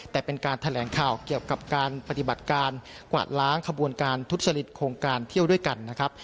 แต่เป็นการแถลงข่าวเกี่ยวกับการปฏิบัติการกวาดล้างขบวนการทุจริตโครงการเที่ยวด้วยกันนะครับ